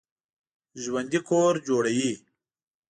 ژوندي کور جوړوي